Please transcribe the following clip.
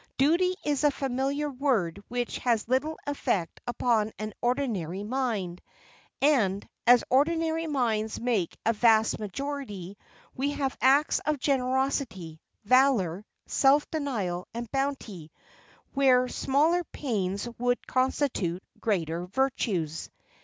Duty is a familiar word which has little effect upon an ordinary mind; and as ordinary minds make a vast majority, we have acts of generosity, valour, self denial, and bounty, where smaller pains would constitute greater virtues.